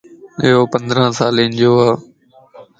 ايو پندران سالين جوَ